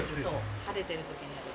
晴れてる時にやる。